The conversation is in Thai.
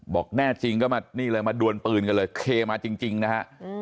บอกแน่จริงก็มานี่เลยมาดวนปืนกันเลยเคมาจริงนะฮะ